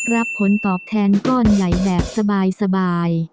รับผลตอบแทนก้อนใหญ่แบบสบาย